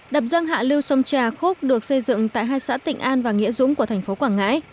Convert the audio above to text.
đập dâng hạ lưu sông trà khúc được xây dựng tại hai xã tịnh an và nghĩa dũng của thành phố quảng ngãi